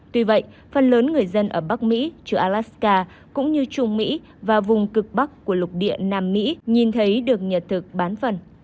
tuy vậy phần lớn người dân ở bắc mỹ trừ alaska cũng như trung mỹ và vùng cực bắc của lục địa nam mỹ nhìn thấy được nhật thực bán phần